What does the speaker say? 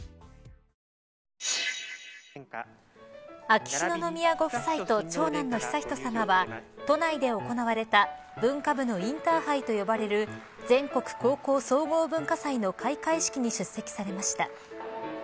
秋篠宮ご夫妻と長男の悠仁さまは都内で行われた文化部のインターハイと呼ばれる全国高校総合文化祭の開会式に出席されました。